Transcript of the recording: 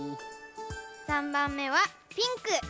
３ばんめはピンク！